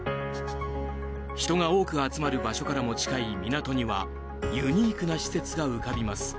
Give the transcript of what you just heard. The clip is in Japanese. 人が多く集まる場所からも近い港にはユニークな施設が浮かびます。